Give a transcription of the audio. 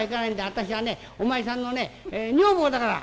私はねお前さんのね女房だから」。